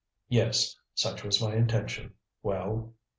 "Yes. Such was my intention. Well?"